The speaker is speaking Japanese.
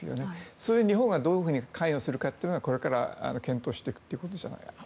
それに日本がどういうふうに関与するかはこれから検討していくということじゃないかと。